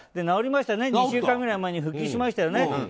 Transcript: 治りましたね、２週間ぐらい前に復帰しましたよね。